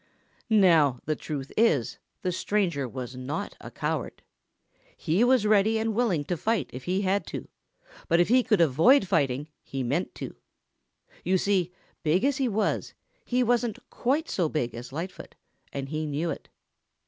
Now the truth is, the stranger was not a coward. He was ready and willing to fight if he had to, but if he could avoid fighting he meant to. You see, big as he was, he wasn't quite so big as Lightfoot, and he knew it.